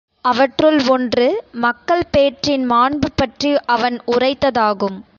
அவற்றுள் ஒன்று, மக்கள் பேற்றின் மாண்புபற்றி அவன் உரைத்ததாகும்.